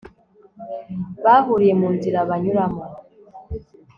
Bahuriye munzira banyuramo